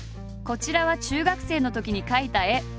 こちらは中学生のときに描いた絵。